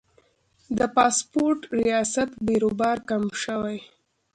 د پاسپورت ریاست بیروبار کم شوی؟